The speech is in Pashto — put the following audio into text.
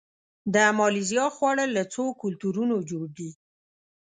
د مالیزیا خواړه له څو کلتورونو جوړ دي.